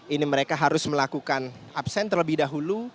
ini mereka harus melakukan absen terlebih dahulu